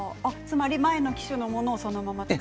前の機種のものをそのままと。